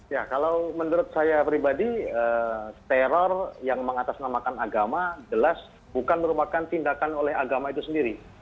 ya kalau menurut saya pribadi teror yang mengatasnamakan agama jelas bukan merupakan tindakan oleh agama itu sendiri